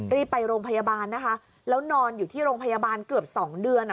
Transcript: รีบไปโรงพยาบาลนะคะแล้วนอนอยู่ที่โรงพยาบาลเกือบ๒เดือน